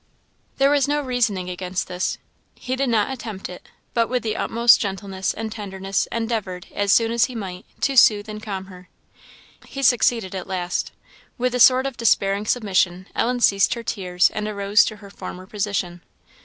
There was no reasoning against this. He did not attempt it; but with the utmost gentleness and tenderness endeavoured, as soon as he might, to soothe and calm her. He succeeded at last; with a sort of despairing submission, Ellen ceased her tears, and arose to her former position.